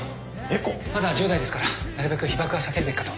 まだ１０代ですからなるべく被ばくは避けるべきかと